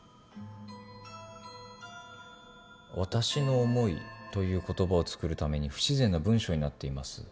「わたしのおもい」という言葉を作るために不自然な文章になっています。